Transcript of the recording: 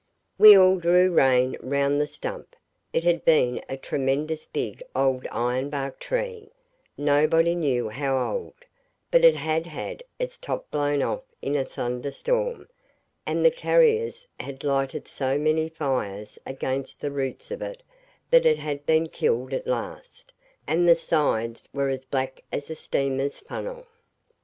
We all drew rein round the stump. It had been a tremendous big old ironbark tree nobody knew how old, but it had had its top blown off in a thunderstorm, and the carriers had lighted so many fires against the roots of it that it had been killed at last, and the sides were as black as a steamer's funnel.